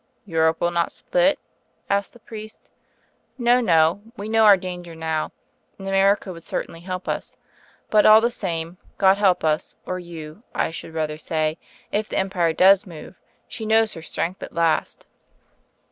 "Europe will not split?" asked the priest. "No, no. We know our danger now. And America would certainly help us. But, all the same, God help us or you, I should rather say if the Empire does move! She knows her strength at last."